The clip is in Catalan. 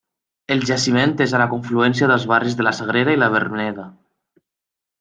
El jaciment és a la confluència dels barris de la Sagrera i la Verneda.